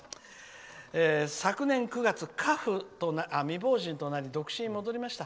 昨年９月、寡婦となり独身に戻りました。